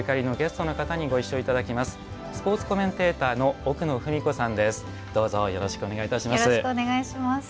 スポーツコメンテーターの奥野史子さんです。